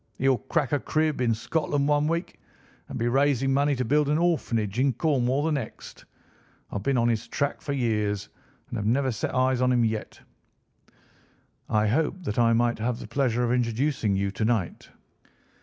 He'll crack a crib in Scotland one week, and be raising money to build an orphanage in Cornwall the next. I've been on his track for years and have never set eyes on him yet." "I hope that I may have the pleasure of introducing you to night.